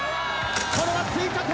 これは追加点。